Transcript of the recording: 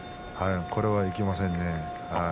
これはいけませんね。